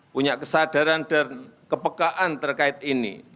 punya kesadaran dan kepekaan terkait ini